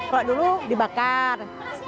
kalau dulu dibakar